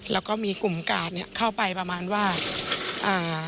แล้วก็มีกลุ่มกาดเนี้ยเข้าไปประมาณว่าอ่า